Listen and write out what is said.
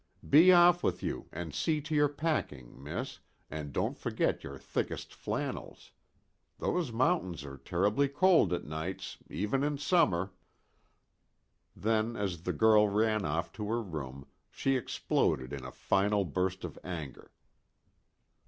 Be off with you and see to your packing, miss, and don't forget your thickest flannels. Those mountains are terribly cold at nights, even in summer." Then, as the girl ran off to her room, she exploded in a final burst of anger.